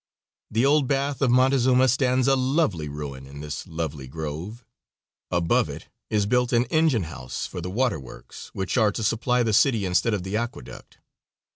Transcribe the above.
The old bath of Montezuma stands a lovely ruin in this lovely grove; above it is built an engine house for the waterworks, which are to supply the city instead of the aqueduct.